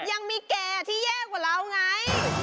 ยังมีแก่ที่แย่กว่าเราไง